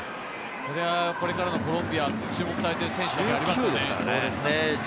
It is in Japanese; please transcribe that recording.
それはこれからのコロンビア、注目されている選手ですよね。